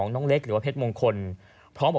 จ่วนให้